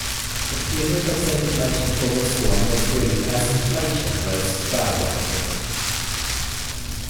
The period of circulation for this coin was brief as inflation rates skyrocketed.